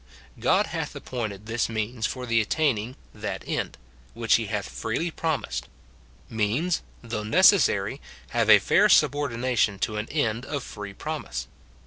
God hath appointed this means for the attaining that end, which he hath freely promised. Means, though necessary, have a fair subordination to an end of free promise.